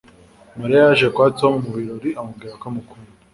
mariya yaje kwa tom mu birori amubwira ko amukunda